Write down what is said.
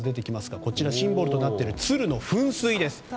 こちら、シンボルとなっている鶴の噴水です。